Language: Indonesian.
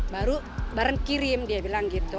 baru bareng kirim dia bilang gitu